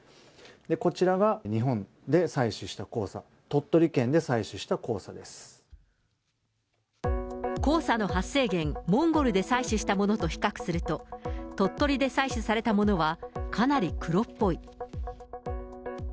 こちらが日本で採取した黄砂、黄砂の発生源、モンゴルで採取したものと比較すると、鳥取で採取されたものは、かなり黒っぽい。